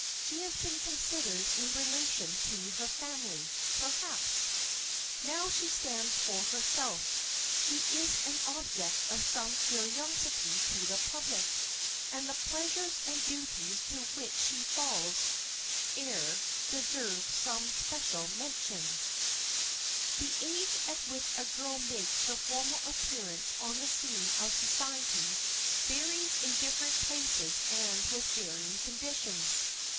She has been considered in relation to her family, perhaps. Now she stands for herself. She is an object of some curiosity to the public, and the pleasures and duties to which she falls heir deserve some special mention. [Sidenote: THE AGE OF A DÉBUTANTE] The age at which a girl makes her formal appearance on the scene of society varies in different places and with varying conditions.